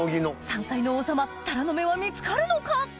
山菜の王様タラの芽は見つかるのか？